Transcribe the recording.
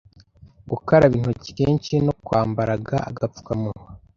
gukaraba intoki kenshi no kwambaraga agapfukamunwa